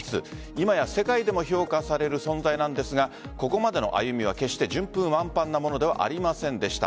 今や世界でも評価される存在なんですがここまでの歩みは決して順風満帆なものではありませんでした。